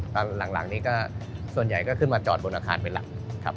หลังนี้ก็ส่วนใหญ่ก็ขึ้นมาจอดบนอาคารเป็นหลักครับ